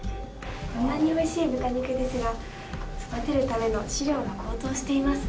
こんなにおいしい豚肉ですが育てるための飼料が高騰しています。